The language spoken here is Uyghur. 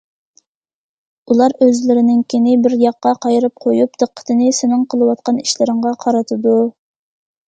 ئۇلار ئۆزلىرىنىڭكىنى بىر ياققا قايرىپ قويۇپ، دىققىتىنى سېنىڭ قىلىۋاتقان ئىشلىرىڭغا قارىتىدۇ.